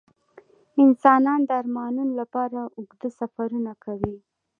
انسانان د ارمانونو لپاره اوږده سفرونه کوي.